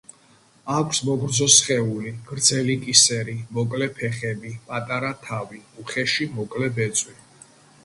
აქვს მოგრძო სხეული, გრძელი კისერი, მოკლე ფეხები, პატარა თავი, უხეში მოკლე ბეწვი.